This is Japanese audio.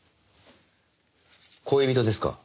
恋人ですか？